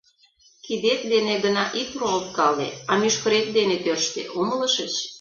Кидет дене гына ит руалткале, а мӱшкырет дене тӧрштӧ, умылышыч?